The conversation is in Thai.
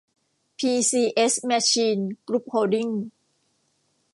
พี ซี เอส แมชีน กรุ๊ปโฮลดิ้ง